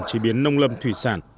chế biến nông lâm thủy sản